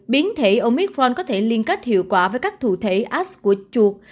biến thể omitforn có thể liên kết hiệu quả với các thủ thể as của chuột